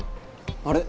あれ？